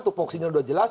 tupuksinya sudah jelas